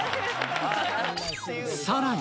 さらに。